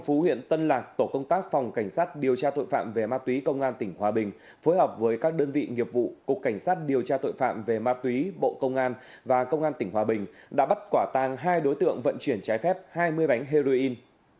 phú huyện tân lạc tổ công tác phòng cảnh sát điều tra tội phạm về ma túy công an tỉnh hòa bình phối hợp với các đơn vị nghiệp vụ cục cảnh sát điều tra tội phạm về ma túy bộ công an và công an tỉnh hòa bình đã bắt quả tang hai đối tượng vận chuyển trái phép hai mươi bánh heroin